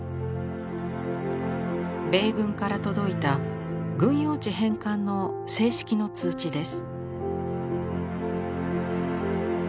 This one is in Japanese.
米軍から届いた軍用地返還の正式の通知です。